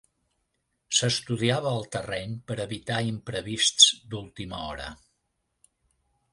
S'estudiava el terreny per evitar imprevists d'última hora.